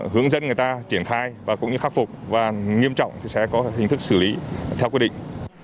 hướng dẫn người ta triển khai và cũng như khắc phục và nghiêm trọng thì sẽ có hình thức xử lý theo quy định